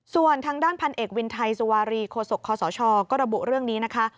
ส่วนทางด้านพันเอกวินไทยสุวารีโคศกคศก็ระบุเรื่องนี้นะคะ